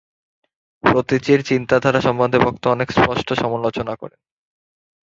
প্রতীচীর চিন্তাধারা সম্বন্ধে বক্তা অনেক স্পষ্ট সমালোচনা করেন।